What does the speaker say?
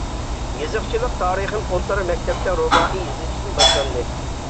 يېزىقچىلىق تارىخىم ئوتتۇرا مەكتەپتە رۇبائىي يېزىشتىن باشلاندى.